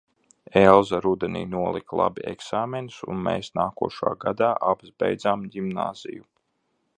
Elza rudenī nolika labi eksāmenus un mēs nākošā gadā abas beidzām ģimnāziju.